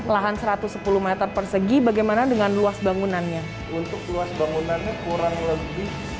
lahan satu ratus sepuluh meter persegi bagaimana dengan luas bangunannya untuk luas bangunannya kurang lebih